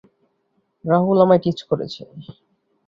রাহুল আমায় টিজ করেছে।